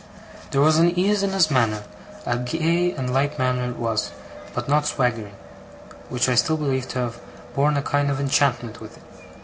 There was an ease in his manner a gay and light manner it was, but not swaggering which I still believe to have borne a kind of enchantment with it.